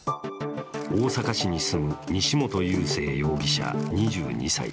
大阪市に住む西本佑聖容疑者２２歳。